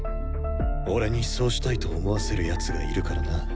俺にそうしたいと思わせる奴がいるからな。